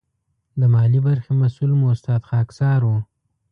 د مالي برخې مسؤل مو استاد خاکسار و.